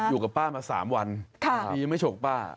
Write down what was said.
อยู่กับป้ามา๓วันดียังไม่ฉกป้า